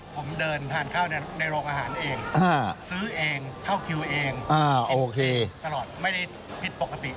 ผมเดินทานข้าวในโรงอาหารเองซื้อเองเข้าคิวเองโอเคตลอดไม่ได้ผิดปกติ